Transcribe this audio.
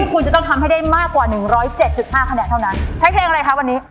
คุณจะต้องทำให้ได้มากกว่าหนึ่งร้อยเจ็ดจุดห้าคะแนนเท่านั้นใช้เพลงอะไรคะวันนี้